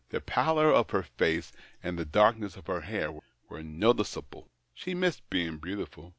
The pallor of her face and the dark ness of her hair were noticeable. She missed being beautiful.